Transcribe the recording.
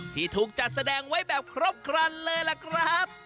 ที่ถูกจัดแสดงไว้แบบครบครันเลยล่ะครับ